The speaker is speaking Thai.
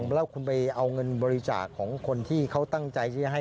แล้วคุณไปเอาเงินบริจาคของคนที่เขาตั้งใจที่จะให้